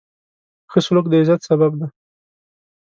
ښه سلوک د عزت سبب دی.